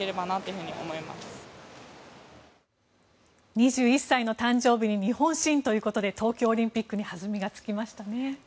２１歳の誕生日に日本新ということで東京オリンピックに弾みがつきましたね。